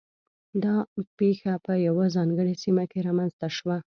دا پېښه په یوه ځانګړې سیمه کې رامنځته شوه